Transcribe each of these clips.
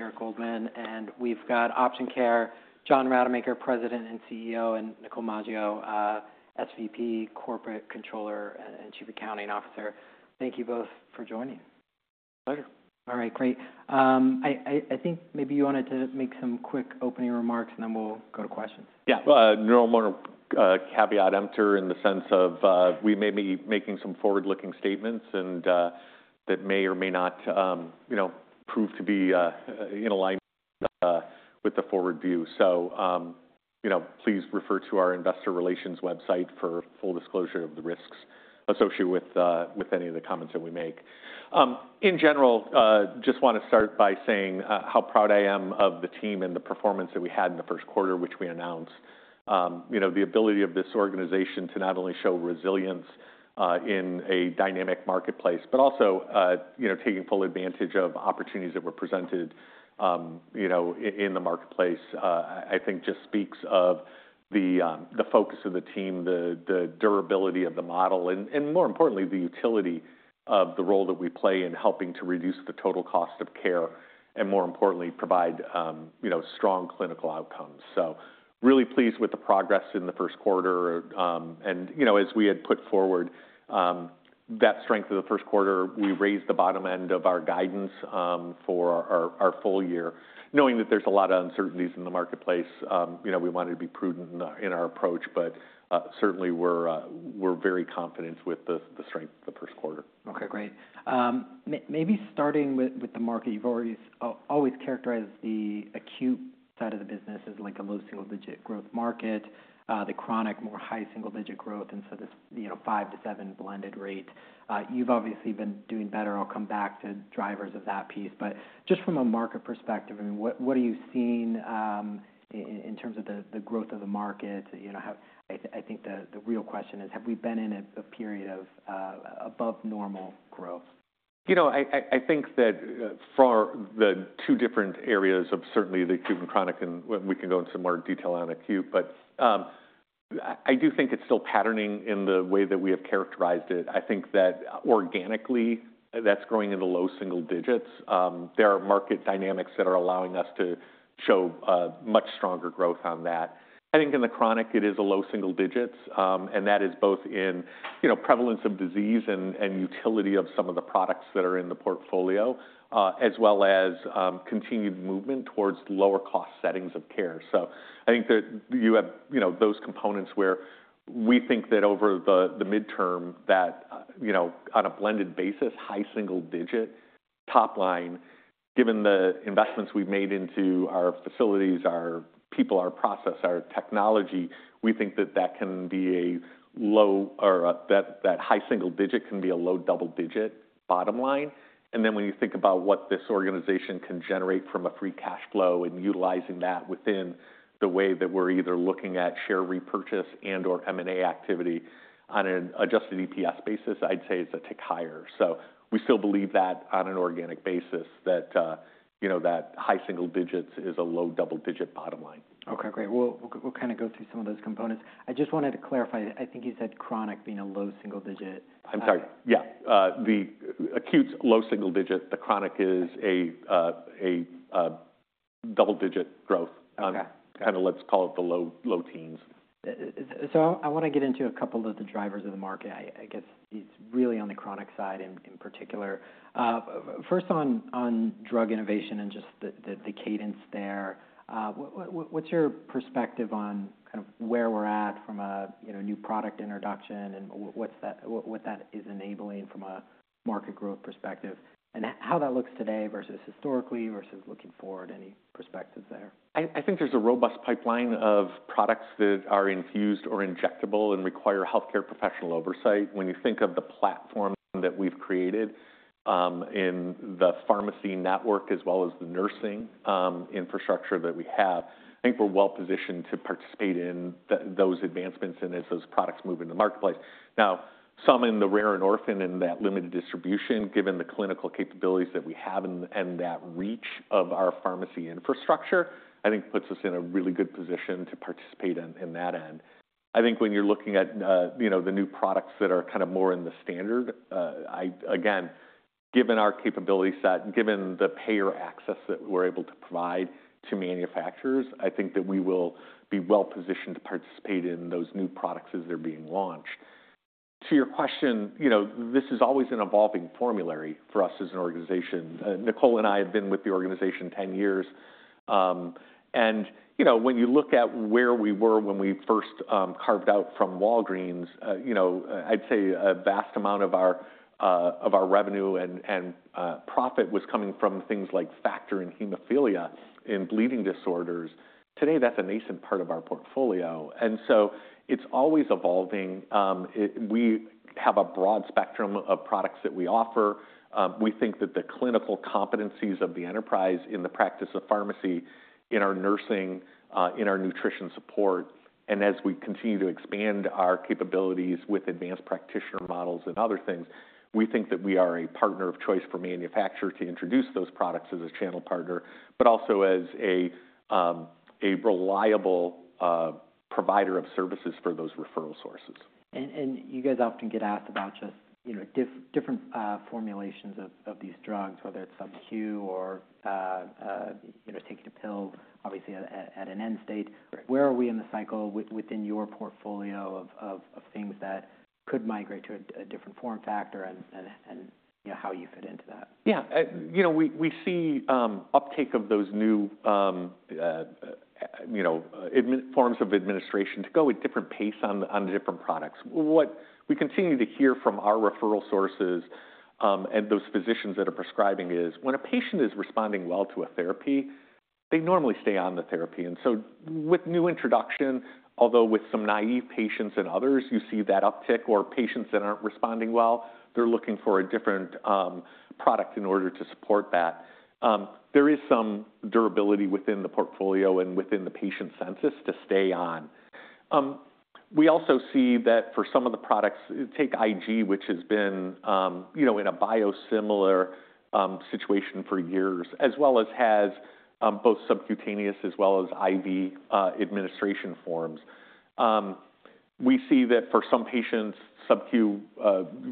Director and Cherif Goldman, and we've got Option Care, John Rademacher, President and CEO, and Nicole Maggio, SVP, Corporate Controller, and Chief Accounting Officer. Thank you both for joining. Pleasure. All right, great. I think maybe you wanted to make some quick opening remarks, and then we'll go to questions. Yeah, no more caveat emptor in the sense of we may be making some forward-looking statements that may or may not prove to be in alignment with the forward view. Please refer to our investor relations website for full disclosure of the risks associated with any of the comments that we make. In general, I just want to start by saying how proud I am of the team and the performance that we had in the first quarter, which we announced. The ability of this organization to not only show resilience in a dynamic marketplace, but also taking full advantage of opportunities that were presented in the marketplace, I think just speaks of the focus of the team, the durability of the model, and more importantly, the utility of the role that we play in helping to reduce the total cost of care and, more importantly, provide strong clinical outcomes. Really pleased with the progress in the first quarter. As we had put forward that strength of the first quarter, we raised the bottom end of our guidance for our full year. Knowing that there is a lot of uncertainties in the marketplace, we wanted to be prudent in our approach, but certainly we are very confident with the strength of the first quarter. Okay, great. Maybe starting with the market, you've always characterized the acute side of the business as a low single-digit growth market, the chronic more high single-digit growth, and so this five to seven blended rate. You've obviously been doing better. I'll come back to drivers of that piece. Just from a market perspective, what are you seeing in terms of the growth of the market? I think the real question is, have we been in a period of above-normal growth? I think that for the two different areas of certainly the acute and chronic, and we can go into some more detail on acute, but I do think it's still patterning in the way that we have characterized it. I think that organically that's growing in the low single digits. There are market dynamics that are allowing us to show much stronger growth on that. I think in the chronic, it is a low single digits, and that is both in prevalence of disease and utility of some of the products that are in the portfolio, as well as continued movement towards lower cost settings of care. I think that you have those components where we think that over the midterm that on a blended basis, high single digit top line, given the investments we've made into our facilities, our people, our process, our technology, we think that that can be a low or that high single digit can be a low double digit bottom line. Then when you think about what this organization can generate from a free cash flow and utilizing that within the way that we're either looking at share repurchase and/or M&A activity on an adjusted EPS basis, I'd say it's a tick higher. We still believe that on an organic basis that high single digits is a low double digit bottom line. Okay, great. We'll kind of go through some of those components. I just wanted to clarify. I think you said chronic being a low single digit. I'm sorry. Yeah, the acute low single digit, the chronic is a double digit growth. Kind of let's call it the low teens. I want to get into a couple of the drivers of the market. I guess it's really on the chronic side in particular. First, on drug innovation and just the cadence there, what's your perspective on kind of where we're at from a new product introduction and what that is enabling from a market growth perspective and how that looks today versus historically versus looking forward, any perspectives there? I think there's a robust pipeline of products that are infused or injectable and require healthcare professional oversight. When you think of the platform that we've created in the pharmacy network as well as the nursing infrastructure that we have, I think we're well positioned to participate in those advancements and as those products move into the marketplace. Now, some in the rare endorphin and that limited distribution, given the clinical capabilities that we have and that reach of our pharmacy infrastructure, I think puts us in a really good position to participate in that end. I think when you're looking at the new products that are kind of more in the standard, again, given our capability set, given the payer access that we're able to provide to manufacturers, I think that we will be well positioned to participate in those new products as they're being launched. To your question, this is always an evolving formulary for us as an organization. Nicole and I have been with the organization 10 years. When you look at where we were when we first carved out from Walgreens, I'd say a vast amount of our revenue and profit was coming from things like factor and hemophilia in bleeding disorders. Today, that's a nascent part of our portfolio. It is always evolving. We have a broad spectrum of products that we offer. We think that the clinical competencies of the enterprise in the practice of pharmacy, in our nursing, in our nutrition support, and as we continue to expand our capabilities with advanced practitioner models and other things, we think that we are a partner of choice for manufacturers to introduce those products as a channel partner, but also as a reliable provider of services for those referral sources. You guys often get asked about just different formulations of these drugs, whether it's sub-Q or taking a pill, obviously at an end state. Where are we in the cycle within your portfolio of things that could migrate to a different form factor and how you fit into that? Yeah, we see uptake of those new forms of administration go at different pace on the different products. What we continue to hear from our referral sources and those physicians that are prescribing is when a patient is responding well to a therapy, they normally stay on the therapy. With new introduction, although with some naive patients and others, you see that uptick or patients that are not responding well, they are looking for a different product in order to support that. There is some durability within the portfolio and within the patient census to stay on. We also see that for some of the products, take IG, which has been in a biosimilar situation for years, as well as has both subcutaneous as well as IV administration forms. We see that for some patients, sub-Q,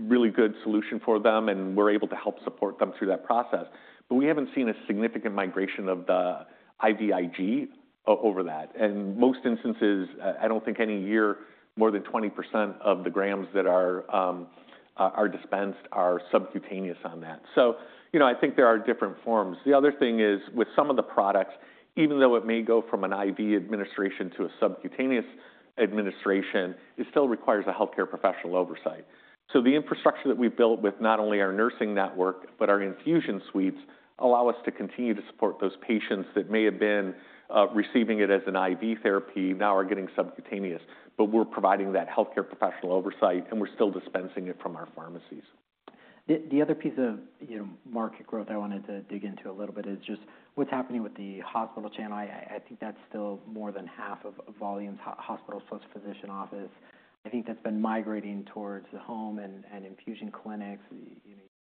really good solution for them, and we're able to help support them through that process. We haven't seen a significant migration of the IV IG over that. In most instances, I don't think any year more than 20% of the grams that are dispensed are subcutaneous on that. I think there are different forms. The other thing is with some of the products, even though it may go from an IV administration to a subcutaneous administration, it still requires a healthcare professional oversight. The infrastructure that we've built with not only our nursing network, but our infusion suites allow us to continue to support those patients that may have been receiving it as an IV therapy, now are getting subcutaneous, but we're providing that healthcare professional oversight and we're still dispensing it from our pharmacies. The other piece of market growth I wanted to dig into a little bit is just what's happening with the hospital channel. I think that's still more than half of volumes, hospital plus physician office. I think that's been migrating towards the home and infusion clinics,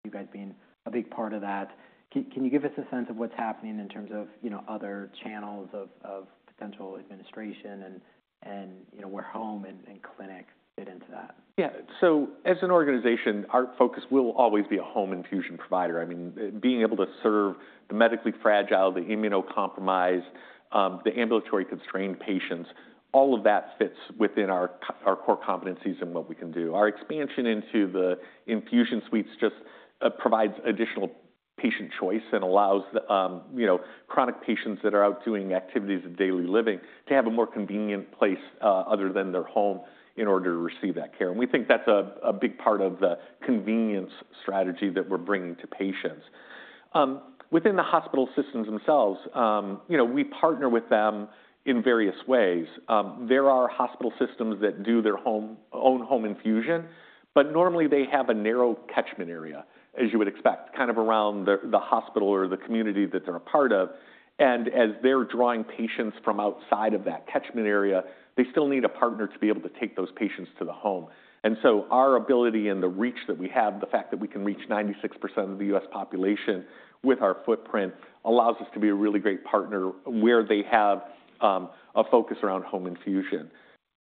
you guys being a big part of that. Can you give us a sense of what's happening in terms of other channels of potential administration and where home and clinic fit into that? Yeah, so as an organization, our focus will always be a home infusion provider. I mean, being able to serve the medically fragile, the immunocompromised, the ambulatory constrained patients, all of that fits within our core competencies and what we can do. Our expansion into the infusion suites just provides additional patient choice and allows chronic patients that are out doing activities of daily living to have a more convenient place other than their home in order to receive that care. We think that's a big part of the convenience strategy that we're bringing to patients. Within the hospital systems themselves, we partner with them in various ways. There are hospital systems that do their own home infusion, but normally they have a narrow catchment area, as you would expect, kind of around the hospital or the community that they're a part of. As they're drawing patients from outside of that catchment area, they still need a partner to be able to take those patients to the home. Our ability and the reach that we have, the fact that we can reach 96% of the U.S. population with our footprint, allows us to be a really great partner where they have a focus around home infusion.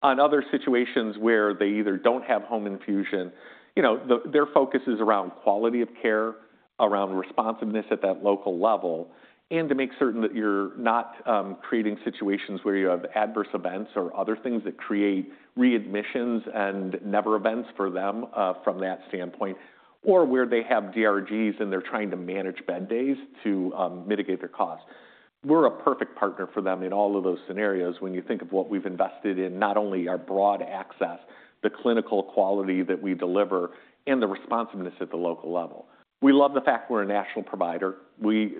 In other situations where they either do not have home infusion, their focus is around quality of care, around responsiveness at that local level, and to make certain that you're not creating situations where you have adverse events or other things that create readmissions and never events for them from that standpoint, or where they have DRGs and they're trying to manage bed days to mitigate their costs. We're a perfect partner for them in all of those scenarios when you think of what we've invested in, not only our broad access, the clinical quality that we deliver, and the responsiveness at the local level. We love the fact we're a national provider. We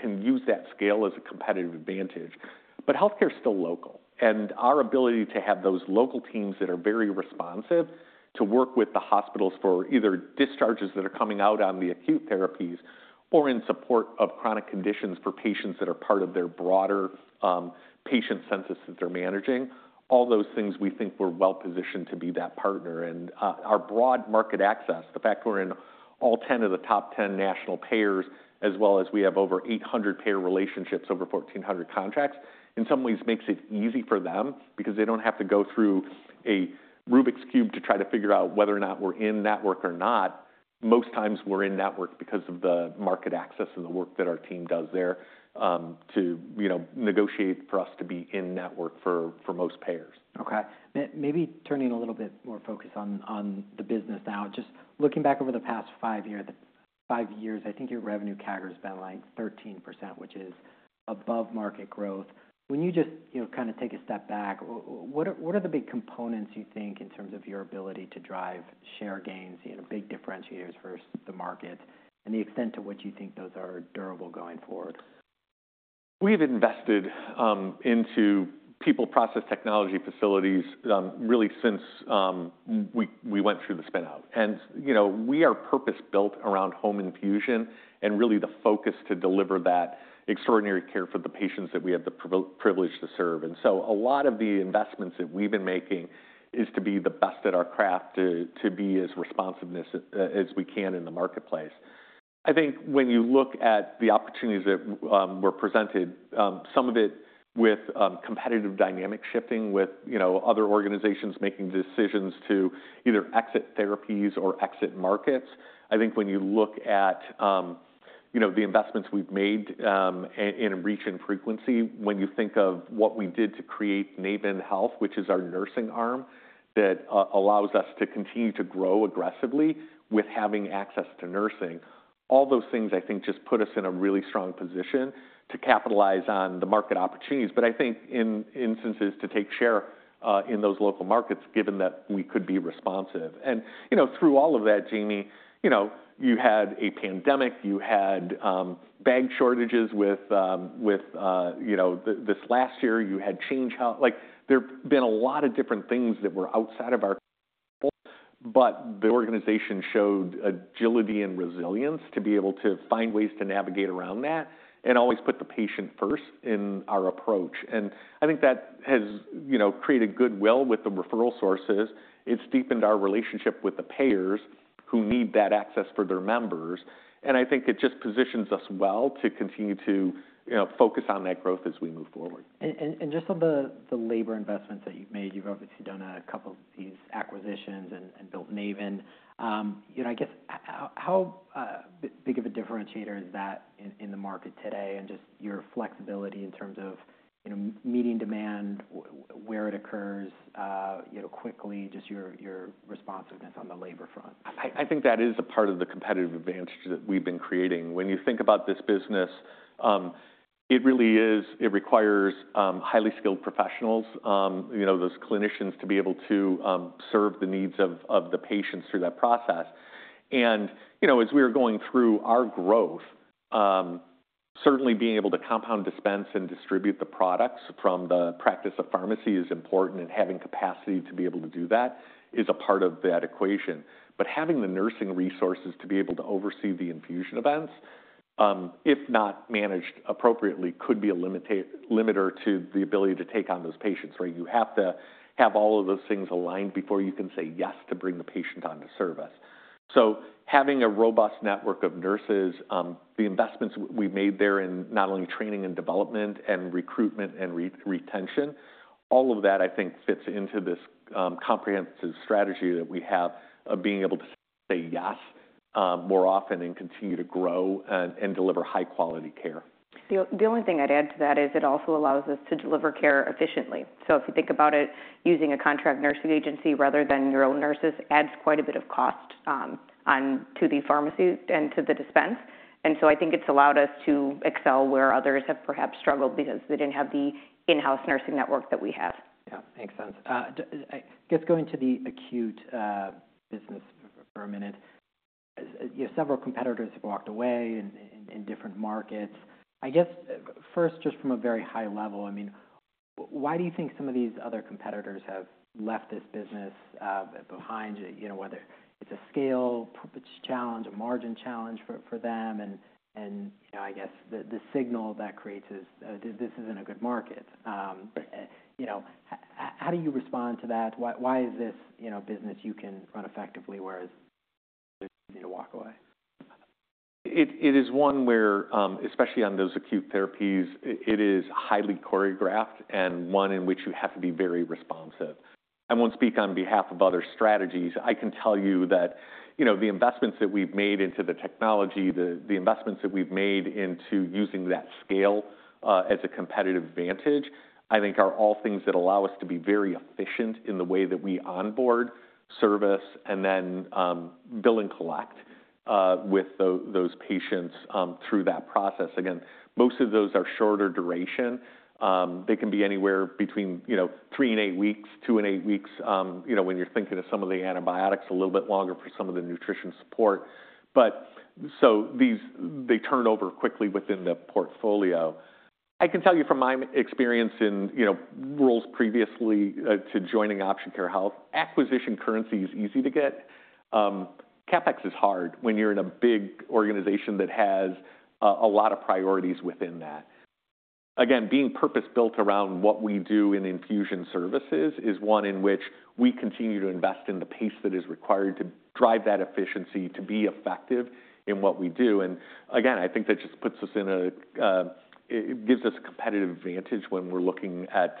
can use that scale as a competitive advantage. Healthcare is still local. Our ability to have those local teams that are very responsive to work with the hospitals for either discharges that are coming out on the acute therapies or in support of chronic conditions for patients that are part of their broader patient census that they're managing, all those things we think we're well positioned to be that partner. Our broad market access, the fact we're in all 10 of the top 10 national payers, as well as we have over 800 payer relationships, over 1,400 contracts, in some ways makes it easy for them because they don't have to go through a Rubik's Cube to try to figure out whether or not we're in network or not. Most times we're in network because of the market access and the work that our team does there to negotiate for us to be in network for most payers. Okay. Maybe turning a little bit more focus on the business now, just looking back over the past five years, I think your revenue CAGR has been like 13%, which is above market growth. When you just kind of take a step back, what are the big components you think in terms of your ability to drive share gains, big differentiators versus the market, and the extent to which you think those are durable going forward? We have invested into people, process, technology, facilities really since we went through the spinout. We are purpose-built around home infusion and really the focus to deliver that extraordinary care for the patients that we have the privilege to serve. A lot of the investments that we've been making is to be the best at our craft, to be as responsive as we can in the marketplace. I think when you look at the opportunities that were presented, some of it with competitive dynamic shifting with other organizations making decisions to either exit therapies or exit markets. I think when you look at the investments we've made in reach and frequency, when you think of what we did to create Naven Health, which is our nursing arm that allows us to continue to grow aggressively with having access to nursing, all those things I think just put us in a really strong position to capitalize on the market opportunities. I think in instances to take share in those local markets, given that we could be responsive. Through all of that, Jamie, you had a pandemic, you had bag shortages with this last year, you had change health. There have been a lot of different things that were outside of our control, but the organization showed agility and resilience to be able to find ways to navigate around that and always put the patient first in our approach. I think that has created goodwill with the referral sources. It's deepened our relationship with the payers who need that access for their members. I think it just positions us well to continue to focus on that growth as we move forward. Just on the labor investments that you've made, you've obviously done a couple of these acquisitions and built Naven. I guess how big of a differentiator is that in the market today and just your flexibility in terms of meeting demand, where it occurs quickly, just your responsiveness on the labor front? I think that is a part of the competitive advantage that we've been creating. When you think about this business, it really is, it requires highly skilled professionals, those clinicians to be able to serve the needs of the patients through that process. As we are going through our growth, certainly being able to compound, dispense, and distribute the products from the practice of pharmacy is important, and having capacity to be able to do that is a part of that equation. Having the nursing resources to be able to oversee the infusion events, if not managed appropriately, could be a limiter to the ability to take on those patients, right? You have to have all of those things aligned before you can say yes to bring the patient onto service. Having a robust network of nurses, the investments we have made there in not only training and development and recruitment and retention, all of that I think fits into this comprehensive strategy that we have of being able to say yes more often and continue to grow and deliver high-quality care. The only thing I'd add to that is it also allows us to deliver care efficiently. If you think about it, using a contract nursing agency rather than your own nurses adds quite a bit of cost to the pharmacy and to the dispense. I think it's allowed us to excel where others have perhaps struggled because they didn't have the in-house nursing network that we have. Yeah, makes sense. I guess going to the acute business for a minute, several competitors have walked away in different markets. I guess first, just from a very high level, I mean, why do you think some of these other competitors have left this business behind? Whether it's a scale challenge, a margin challenge for them, and I guess the signal that creates is this isn't a good market. How do you respond to that? Why is this business you can run effectively whereas others need to walk away? It is one where, especially on those acute therapies, it is highly choreographed and one in which you have to be very responsive. I will not speak on behalf of other strategies. I can tell you that the investments that we have made into the technology, the investments that we have made into using that scale as a competitive advantage, I think are all things that allow us to be very efficient in the way that we onboard, service, and then bill and collect with those patients through that process. Again, most of those are shorter duration. They can be anywhere between three and eight weeks, two and eight weeks when you are thinking of some of the antibiotics, a little bit longer for some of the nutrition support. They turn over quickly within the portfolio. I can tell you from my experience in roles previously to joining Option Care Health, acquisition currency is easy to get. CapEx is hard when you're in a big organization that has a lot of priorities within that. Again, being purpose-built around what we do in infusion services is one in which we continue to invest in the pace that is required to drive that efficiency to be effective in what we do. I think that just puts us in a, it gives us a competitive advantage when we're looking at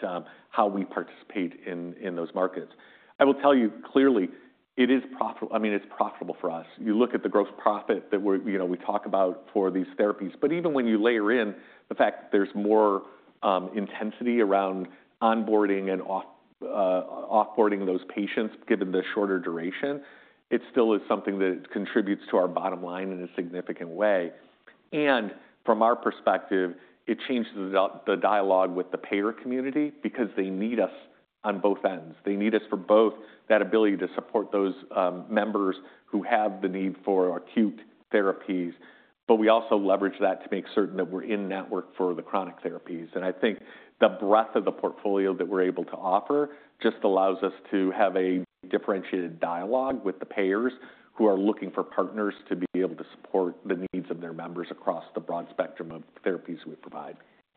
how we participate in those markets. I will tell you clearly, it is profitable. I mean, it's profitable for us. You look at the gross profit that we talk about for these therapies, but even when you layer in the fact that there is more intensity around onboarding and offboarding those patients, given the shorter duration, it still is something that contributes to our bottom line in a significant way. From our perspective, it changed the dialogue with the payer community because they need us on both ends. They need us for both that ability to support those members who have the need for acute therapies. We also leverage that to make certain that we are in network for the chronic therapies. I think the breadth of the portfolio that we are able to offer just allows us to have a differentiated dialogue with the payers who are looking for partners to be able to support the needs of their members across the broad spectrum of therapies we provide.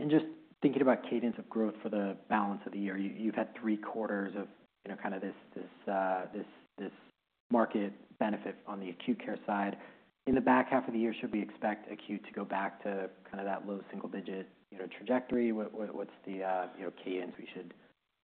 Just thinking about cadence of growth for the balance of the year, you've had three quarters of kind of this market benefit on the acute care side. In the back half of the year, should we expect acute to go back to kind of that low single digit trajectory? What's the cadence we should be thinking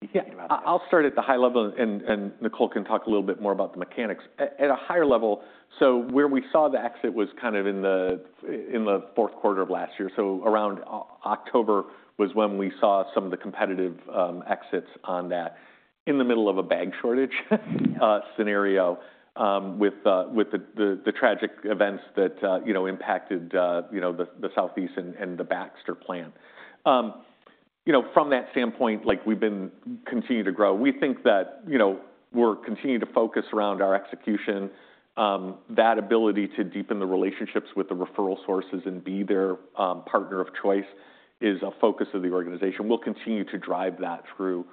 about? I'll start at the high level and Nicole can talk a little bit more about the mechanics. At a higher level, where we saw the exit was kind of in the fourth quarter of last year. Around October was when we saw some of the competitive exits on that. In the middle of a bag shortage scenario with the tragic events that impacted the Southeast and the Baxter plant. From that standpoint, we've been continuing to grow. We think that we're continuing to focus around our execution. That ability to deepen the relationships with the referral sources and be their partner of choice is a focus of the organization. We'll continue to drive that through.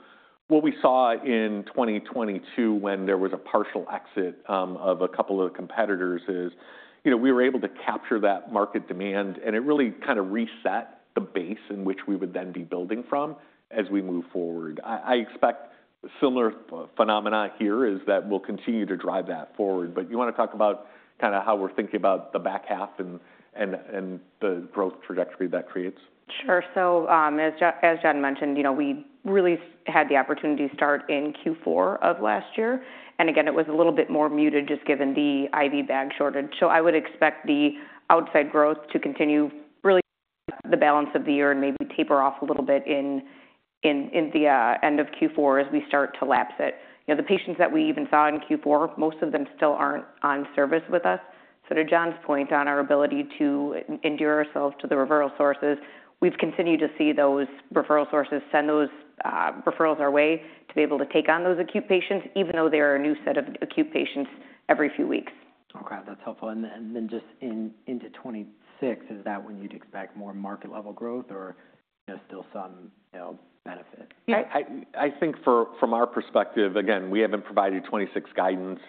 What we saw in 2022 when there was a partial exit of a couple of the competitors is we were able to capture that market demand and it really kind of reset the base in which we would then be building from as we move forward. I expect similar phenomena here is that we'll continue to drive that forward. Do you want to talk about kind of how we're thinking about the back half and the growth trajectory that creates? Sure. As John mentioned, we really had the opportunity to start in Q4 of last year. Again, it was a little bit more muted just given the IV bag shortage. I would expect the outside growth to continue really the balance of the year and maybe taper off a little bit in the end of Q4 as we start to lapse it. The patients that we even saw in Q4, most of them still are not on service with us. To John's point on our ability to endure ourselves to the referral sources, we have continued to see those referral sources send those referrals our way to be able to take on those acute patients, even though they are a new set of acute patients every few weeks. Okay. That's helpful. And then just into 2026, is that when you'd expect more market-level growth or still some benefit? I think from our perspective, again, we haven't provided 2026 guidance,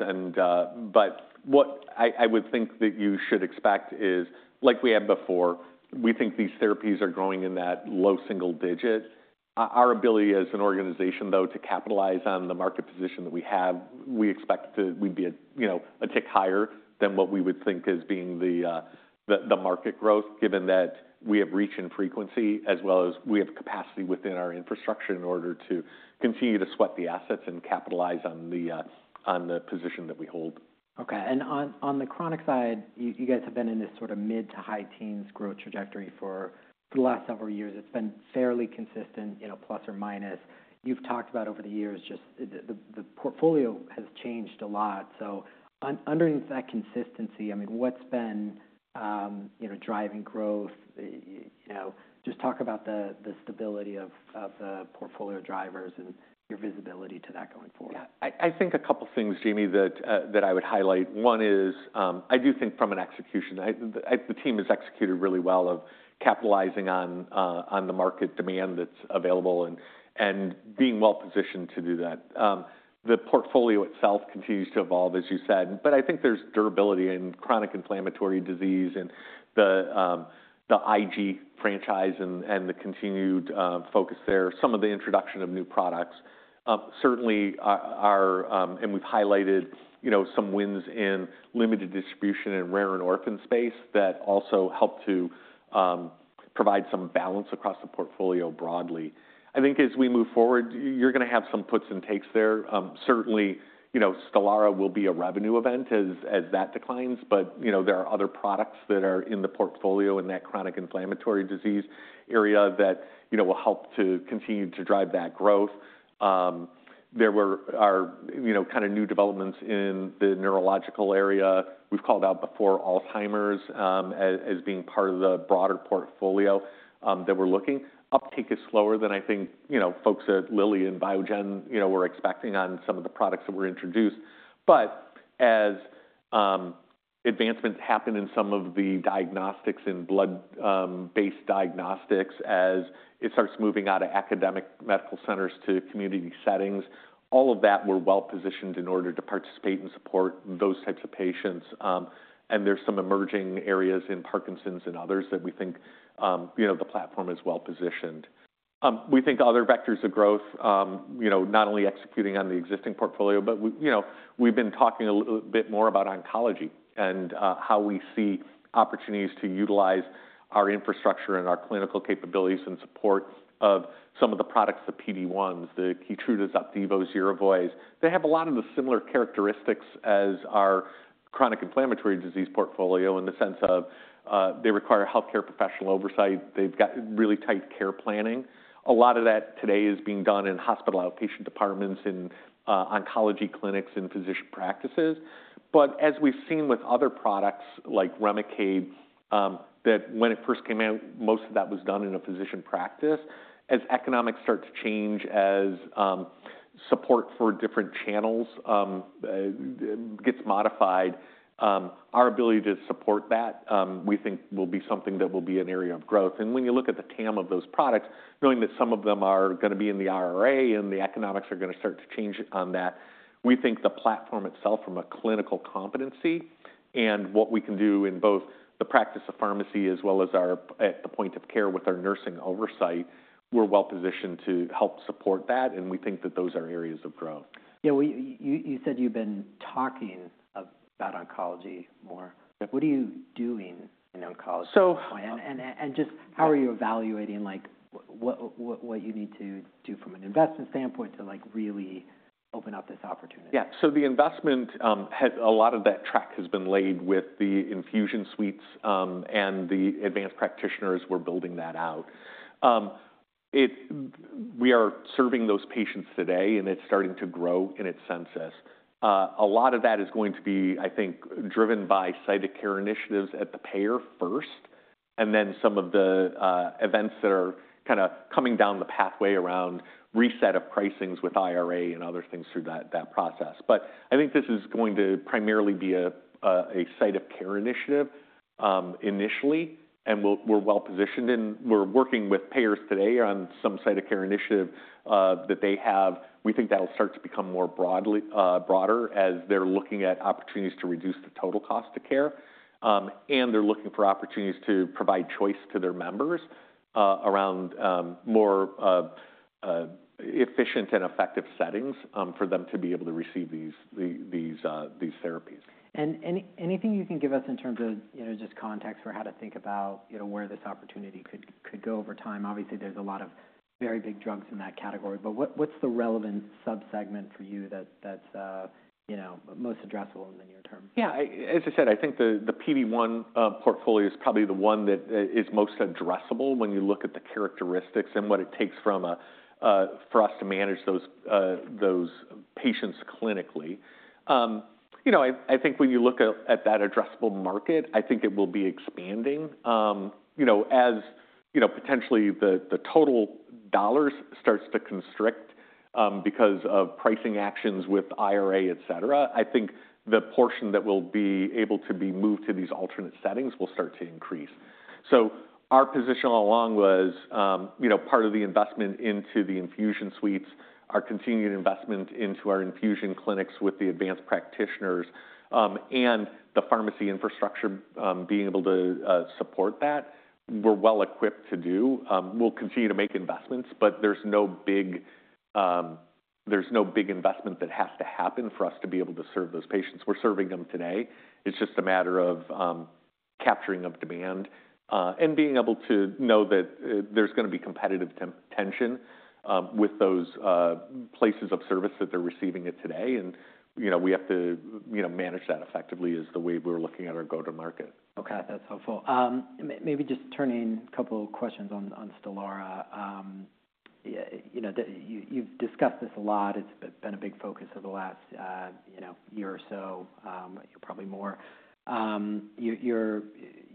but what I would think that you should expect is like we had before, we think these therapies are growing in that low single digit. Our ability as an organization, though, to capitalize on the market position that we have, we expect we'd be a tick higher than what we would think as being the market growth, given that we have reach and frequency as well as we have capacity within our infrastructure in order to continue to sweat the assets and capitalize on the position that we hold. Okay. On the chronic side, you guys have been in this sort of mid to high teens growth trajectory for the last several years. It's been fairly consistent, plus or minus. You've talked about over the years, just the portfolio has changed a lot. Underneath that consistency, I mean, what's been driving growth? Just talk about the stability of the portfolio drivers and your visibility to that going forward. Yeah. I think a couple of things, Jamie, that I would highlight. One is I do think from an execution, the team has executed really well of capitalizing on the market demand that's available and being well-positioned to do that. The portfolio itself continues to evolve, as you said, but I think there's durability in chronic inflammatory disease and the IG franchise and the continued focus there, some of the introduction of new products. Certainly, and we've highlighted some wins in limited distribution and rare and orphan space that also help to provide some balance across the portfolio broadly. I think as we move forward, you're going to have some puts and takes there. Certainly, Stelara will be a revenue event as that declines, but there are other products that are in the portfolio in that chronic inflammatory disease area that will help to continue to drive that growth. There were kind of new developments in the neurological area. We've called out before Alzheimer's as being part of the broader portfolio that we're looking. Uptake is slower than I think folks at Lilly and Biogen were expecting on some of the products that were introduced. As advancements happen in some of the diagnostics and blood-based diagnostics, as it starts moving out of academic medical centers to community settings, all of that we're well-positioned in order to participate and support those types of patients. There's some emerging areas in Parkinson's and others that we think the platform is well-positioned. We think other vectors of growth, not only executing on the existing portfolio, but we've been talking a little bit more about oncology and how we see opportunities to utilize our infrastructure and our clinical capabilities in support of some of the products, the PD-1s, the Keytrudas, Opdivos, Yervoys. They have a lot of the similar characteristics as our chronic inflammatory disease portfolio in the sense of they require healthcare professional oversight. They've got really tight care planning. A lot of that today is being done in hospital outpatient departments, in oncology clinics, in physician practices. As we've seen with other products like Remicade, that when it first came out, most of that was done in a physician practice. As economics start to change, as support for different channels gets modified, our ability to support that, we think will be something that will be an area of growth. When you look at the TAM of those products, knowing that some of them are going to be in the IRA and the economics are going to start to change on that, we think the platform itself from a clinical competency and what we can do in both the practice of pharmacy as well as at the point of care with our nursing oversight, we are well-positioned to help support that. We think that those are areas of growth. Yeah. You said you've been talking about oncology more. What are you doing in oncology? Just how are you evaluating what you need to do from an investment standpoint to really open up this opportunity? Yeah. The investment, a lot of that track has been laid with the infusion suites and the advanced practitioners. We're building that out. We are serving those patients today and it's starting to grow in its census. A lot of that is going to be, I think, driven by site of care initiatives at the payer first, and then some of the events that are kind of coming down the pathway around reset of pricings with IRA and other things through that process. I think this is going to primarily be a site of care initiative initially, and we're well-positioned. We're working with payers today on some site of care initiative that they have. We think that'll start to become more broader as they're looking at opportunities to reduce the total cost of care. They are looking for opportunities to provide choice to their members around more efficient and effective settings for them to be able to receive these therapies. Anything you can give us in terms of just context for how to think about where this opportunity could go over time? Obviously, there's a lot of very big drugs in that category, but what's the relevant subsegment for you that's most addressable in the near term? Yeah. As I said, I think the PD-1 portfolio is probably the one that is most addressable when you look at the characteristics and what it takes for us to manage those patients clinically. I think when you look at that addressable market, I think it will be expanding. As potentially the total dollars start to constrict because of pricing actions with IRA, etc., I think the portion that will be able to be moved to these alternate settings will start to increase. Our position all along was part of the investment into the infusion suites, our continued investment into our infusion clinics with the advanced practitioners, and the pharmacy infrastructure being able to support that. We're well-equipped to do. We'll continue to make investments, but there's no big investment that has to happen for us to be able to serve those patients. We're serving them today. It's just a matter of capturing demand and being able to know that there's going to be competitive tension with those places of service that they're receiving it today. We have to manage that effectively is the way we're looking at our go-to-market. Okay. That's helpful. Maybe just turning a couple of questions on Stelara. You've discussed this a lot. It's been a big focus of the last year or so, probably more.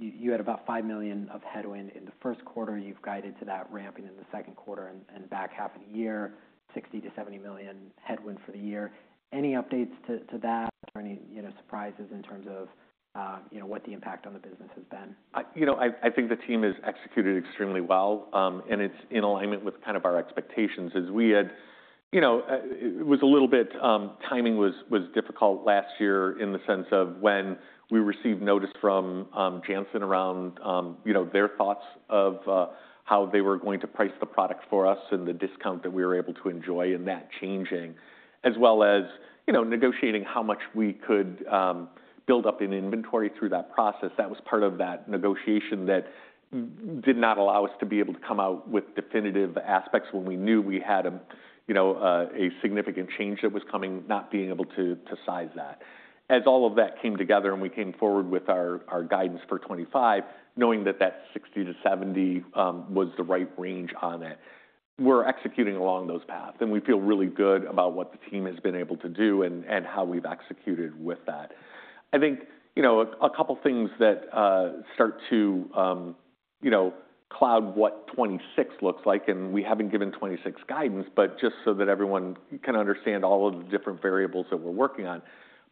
You had about $5 million of headwind in the first quarter. You've guided to that ramping in the second quarter and back half a year, $60 million-$70 million headwind for the year. Any updates to that or any surprises in terms of what the impact on the business has been? I think the team has executed extremely well, and it's in alignment with kind of our expectations. As we had, it was a little bit timing was difficult last year in the sense of when we received notice from Johnson around their thoughts of how they were going to price the product for us and the discount that we were able to enjoy and that changing, as well as negotiating how much we could build up in inventory through that process. That was part of that negotiation that did not allow us to be able to come out with definitive aspects when we knew we had a significant change that was coming, not being able to size that. As all of that came together and we came forward with our guidance for 2025, knowing that that 60-70 was the right range on it, we're executing along those paths. We feel really good about what the team has been able to do and how we've executed with that. I think a couple of things that start to cloud what 2026 looks like, and we haven't given 2026 guidance, but just so that everyone can understand all of the different variables that we're working on.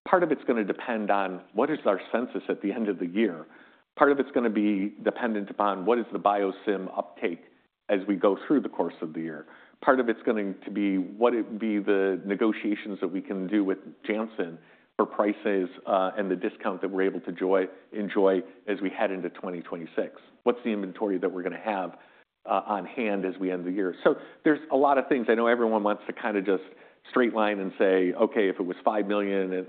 Part of it's going to depend on what is our census at the end of the year. Part of it's going to be dependent upon what is the biosim uptake as we go through the course of the year. Part of it's going to be what it be the negotiations that we can do with Johnson for prices and the discount that we're able to enjoy as we head into 2026. What's the inventory that we're going to have on hand as we end the year? There are a lot of things. I know everyone wants to kind of just straight line and say, "Okay, if it was $5 million," and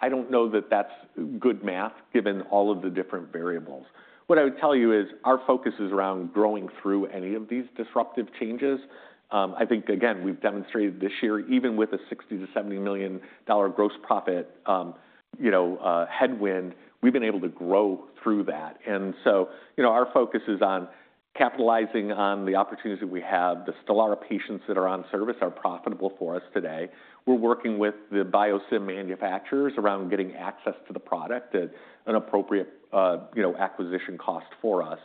I don't know that that's good math given all of the different variables. What I would tell you is our focus is around growing through any of these disruptive changes. I think, again, we've demonstrated this year, even with a $60 million-$70 million gross profit headwind, we've been able to grow through that. Our focus is on capitalizing on the opportunities that we have. The Stelara patients that are on service are profitable for us today. We're working with the biosimilar manufacturers around getting access to the product at an appropriate acquisition cost for us.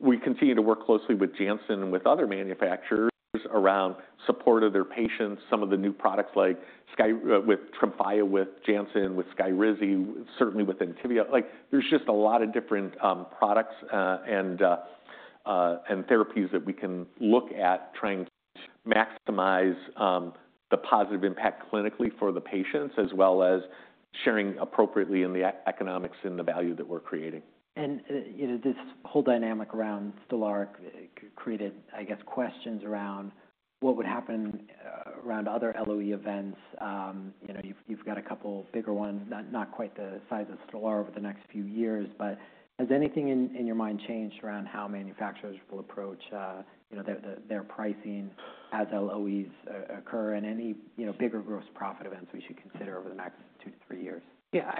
We continue to work closely with Johnson and with other manufacturers around support of their patients, some of the new products like with Tremfya, with Johnson, with Skyrizi, certainly with Entyvio. There's just a lot of different products and therapies that we can look at trying to maximize the positive impact clinically for the patients, as well as sharing appropriately in the economics and the value that we're creating. This whole dynamic around Stelara created, I guess, questions around what would happen around other LOE events. You've got a couple of bigger ones, not quite the size of Stelara over the next few years, but has anything in your mind changed around how manufacturers will approach their pricing as LOEs occur and any bigger gross profit events we should consider over the next two to three years? Yeah.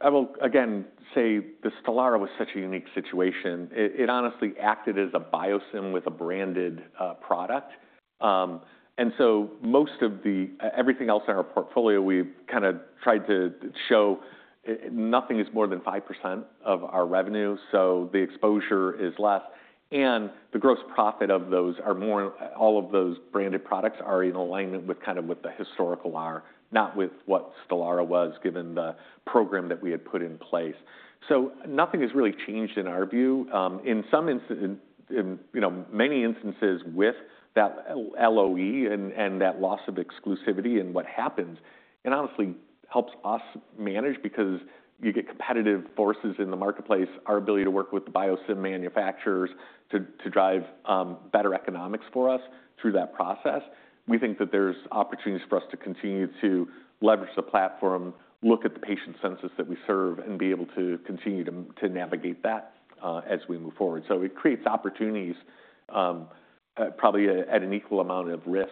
I will again say the Stelara was such a unique situation. It honestly acted as a biosim with a branded product. Most of the everything else in our portfolio, we've kind of tried to show nothing is more than 5% of our revenue, so the exposure is less. The gross profit of those are more, all of those branded products are in alignment with kind of what the historical are, not with what Stelara was given the program that we had put in place. Nothing has really changed in our view. In some instances, in many instances with that LOE and that loss of exclusivity and what happens, it honestly helps us manage because you get competitive forces in the marketplace, our ability to work with the biosim manufacturers to drive better economics for us through that process. We think that there's opportunities for us to continue to leverage the platform, look at the patient census that we serve, and be able to continue to navigate that as we move forward. It creates opportunities probably at an equal amount of risk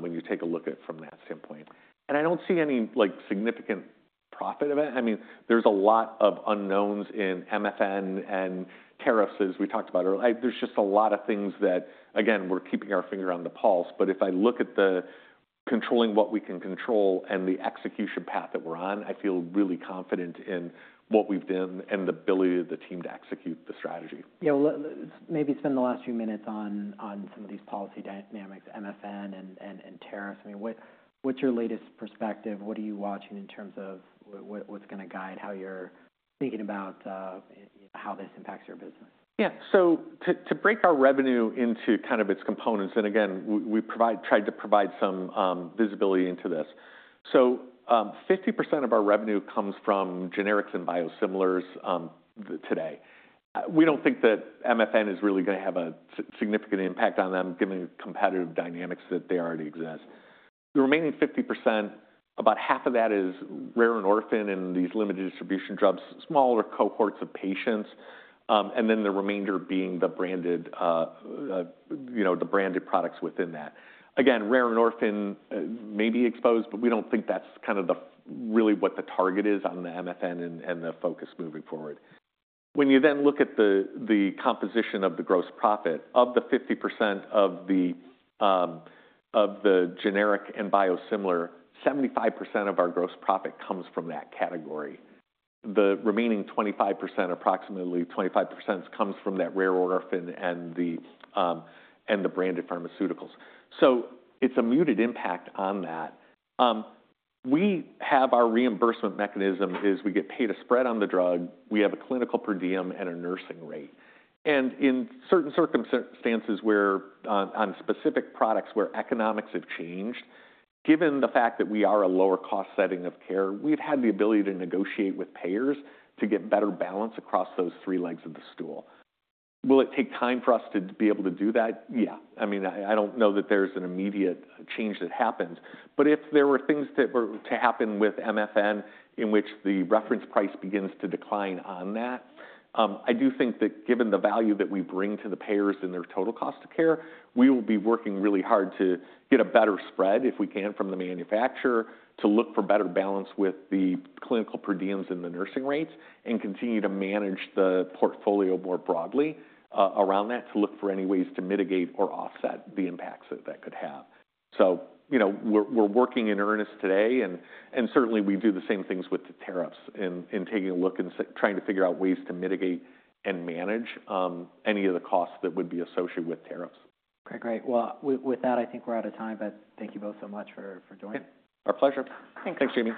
when you take a look at it from that standpoint. I don't see any significant profit of it. I mean, there's a lot of unknowns in MFN and tariffs as we talked about earlier. There's just a lot of things that, again, we're keeping our finger on the pulse. If I look at controlling what we can control and the execution path that we're on, I feel really confident in what we've done and the ability of the team to execute the strategy. Yeah. Maybe spend the last few minutes on some of these policy dynamics, MFN and tariffs. I mean, what's your latest perspective? What are you watching in terms of what's going to guide how you're thinking about how this impacts your business? Yeah. To break our revenue into kind of its components, and again, we tried to provide some visibility into this. 50% of our revenue comes from generics and biosimilars today. We do not think that MFN is really going to have a significant impact on them given the competitive dynamics that they already exist. The remaining 50%, about half of that is rare and orphan and these limited distribution drugs, smaller cohorts of patients, and then the remainder being the branded products within that. Again, rare and orphan may be exposed, but we do not think that is kind of really what the target is on the MFN and the focus moving forward. When you then look at the composition of the gross profit of the 50% of the generic and biosimilar, 75% of our gross profit comes from that category. The remaining 25%, approximately 25%, comes from that rare orphan and the branded pharmaceuticals. So it's a muted impact on that. We have our reimbursement mechanism is we get paid a spread on the drug. We have a clinical per diem and a nursing rate. And in certain circumstances where on specific products where economics have changed, given the fact that we are a lower cost setting of care, we've had the ability to negotiate with payers to get better balance across those three legs of the stool. Will it take time for us to be able to do that? Yeah. I mean, I don't know that there's an immediate change that happens, but if there were things to happen with MFN in which the reference price begins to decline on that, I do think that given the value that we bring to the payers in their total cost of care, we will be working really hard to get a better spread if we can from the manufacturer to look for better balance with the clinical per diems and the nursing rates and continue to manage the portfolio more broadly around that to look for any ways to mitigate or offset the impacts that that could have. We are working in earnest today, and certainly we do the same things with the tariffs in taking a look and trying to figure out ways to mitigate and manage any of the costs that would be associated with tariffs. Okay. Great. With that, I think we're out of time, but thank you both so much for joining. Our pleasure. Thanks. Thanks, Jamie.